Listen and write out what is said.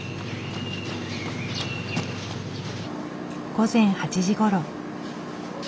午前８時ごろ。